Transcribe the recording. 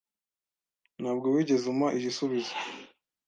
Ntabwo wigeze umpa igisubizo